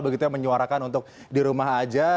begitunya menyuarakan untuk di rumah aja